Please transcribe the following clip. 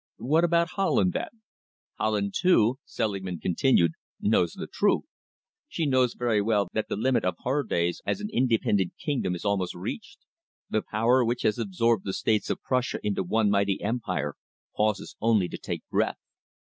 "What about Holland, then?" "Holland, too," Selingman continued, "knows the truth. She knows very well that the limit of her days as an independent kingdom is almost reached. The Power which has absorbed the states of Prussia into one mighty empire, pauses only to take breath.